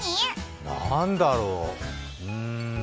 何だろう、うーん。